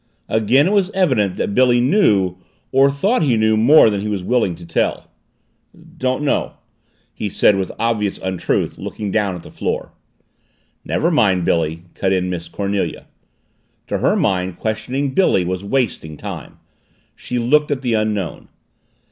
Again it was evident that Billy knew or thought he knew more than he was willing to tell. "Don't know," he said with obvious untruth, looking down at the floor. "Never mind, Billy," cut in Miss Cornelia. To her mind questioning Billy was wasting time. She looked at the Unknown.